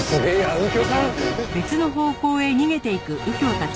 右京さん！